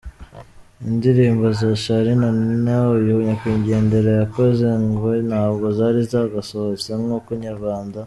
Indirimbo za Charly & Nina uyu nyakwigendera yakoze, ngo ntabwo zari zagasohotse nkuko Inyarwanda.